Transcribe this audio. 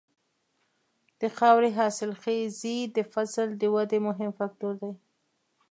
د خاورې حاصلخېزي د فصل د ودې مهم فکتور دی.